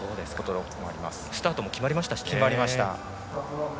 スタートも決まりましたね。